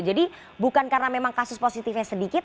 jadi bukan karena memang kasus positifnya sedikit